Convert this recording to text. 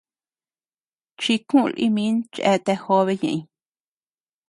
Chiku lï min cheatea jobe ñeʼeñ.